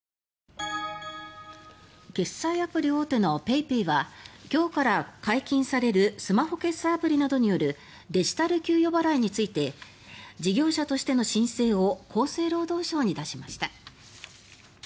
決済アプリ大手のＰａｙＰａｙは今日から解禁されるスマホ決済アプリなどによるデジタル給与払いについて事業者としての申請を厚生労働省に出しました。